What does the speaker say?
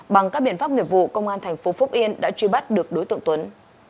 bằng các biện pháp nghiệp vụ công an thành phố phúc yên đã truy bắt được đối tượng tuấn